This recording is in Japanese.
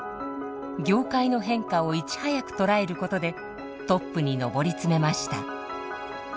業界の変化をいち早く捉えることでトップに上り詰めました。